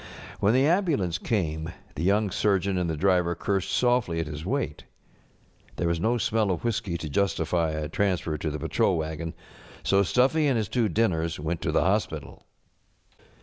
When the ambulance came the young surgeon and the driver cursed softly at his weight. There was no smell of whiskey to justify a transfer to the patrol wagon, so Stuffy and his two diimers went to the hos┬¼ pital.